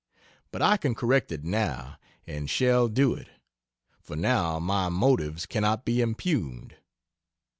But I can correct it now, and shall do it; for now my motives cannot be impugned.